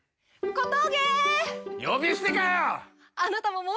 小峠。